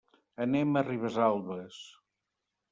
Anem a Ribesalbes.